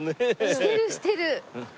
してるしてる！